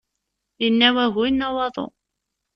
Yenna wagu, yenna waḍu.